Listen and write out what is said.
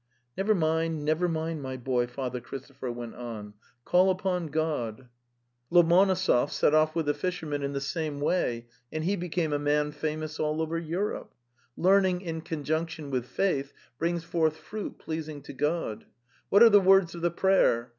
"Neyer mind, never mind, my boy,' Father Christopher went on. 'Call upon God... . 7 The Steppe 165 Lomonosov set off with the fishermen in the same way, and he became a man famous all over Europe. Learning in conjunction with faith brings forth fruit pleasing to God. What are the words of the prayer?